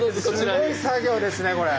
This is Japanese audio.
すごい作業ですねこれ！